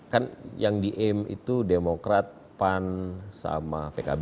kan yang di aim itu demokrat pan sama pkb